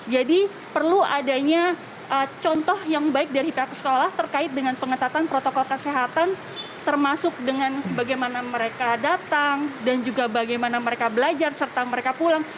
jadi perlu adanya contoh yang baik dari pihak sekolah terkait dengan pengetatan protokol kesehatan termasuk dengan bagaimana mereka datang dan juga bagaimana mereka belajar serta mereka pulang